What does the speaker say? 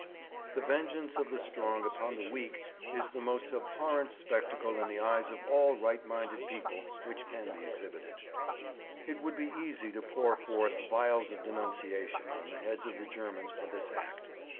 The vengeance of the strong upon the weak is the most abhorrent spectacle in the eyes of all right minded people which can be exhibited. 'It would be easy to pour forth vials of denunciation on the heads of the Germans for this act.